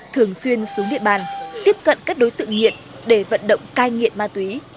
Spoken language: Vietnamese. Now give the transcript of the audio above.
thường xuyên xuống địa bàn tiếp cận các đối tượng nghiện để vận động cai nghiện ma túy